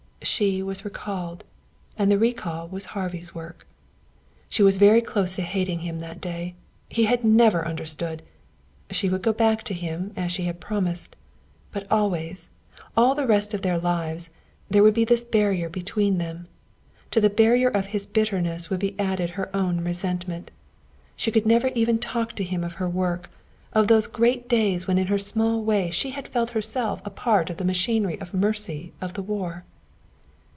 She was recalled; and the recall was Harvey's work. She was very close to hating him that day. He had never understood. She would go back to him, as she had promised; but always, all the rest of their lives, there would be this barrier between them. To the barrier of his bitterness would be added her own resentment. She could never even talk to him of her work, of those great days when in her small way she had felt herself a part of the machinery of mercy of the war.